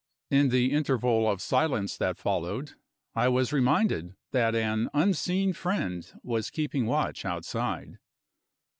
In the interval of silence that followed, I was reminded that an unseen friend was keeping watch outside.